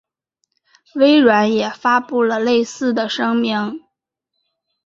微软也发布了类似的声明。